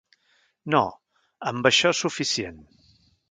No, amb això és suficient.